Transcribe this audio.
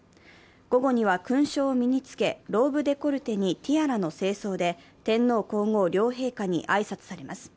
午後には勲章を身に着け、ローブデコルテにティアラの正装で天皇・皇后両陛下に挨拶されます。